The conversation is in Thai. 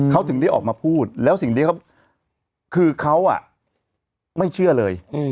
เขาถึงได้ออกมาพูดแล้วสิ่งที่เขาคือเขาไม่เชื่อเลย